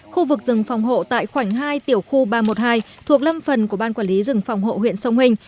khu vực rừng phòng hộ tại khoảnh hai tiểu khu ba trăm một mươi hai thuộc lâm phần của ban quản lý rừng phòng hộ huyện sông hình